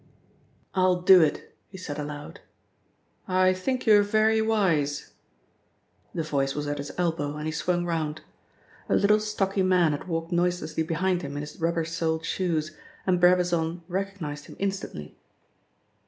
"I'll do it," he said aloud. "I think you're very wise." The voice was at his elbow and he swung round. A little, stocky man had walked noiselessly behind him in his rubber soled shoes, and Brabazon recognised him instantly.